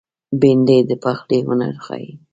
بېنډۍ د پخلي هنر ښيي